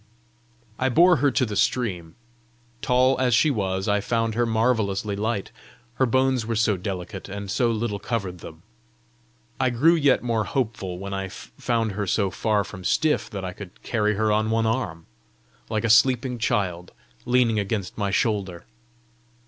I bore her to the stream. Tall as she was, I found her marvellously light, her bones were so delicate, and so little covered them. I grew yet more hopeful when I found her so far from stiff that I could carry her on one arm, like a sleeping child, leaning against my shoulder.